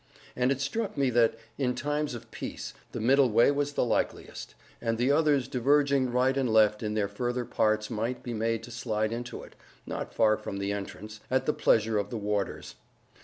And it struck me that, in times of peace, the middle way was the likeliest; and the others diverging right and left in their further parts might be made to slide into it (not far from the entrance) at the pleasure of the warders.